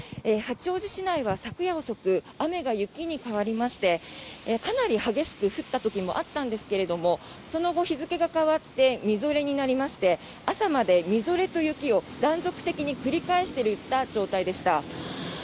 八王子市内は昨夜遅く雨が雪に変わりましてかなり激しく降った時もあったんですがその後、日付が変わってみぞれになりまして朝までみぞれと雪を断続的に繰り返していた状態でした。